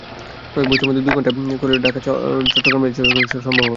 কয়েক বছরের মধ্যেই দুই ঘণ্টায় রেলে করে ঢাকা-চট্টগ্রাম চলাচল করা সম্ভব হবে।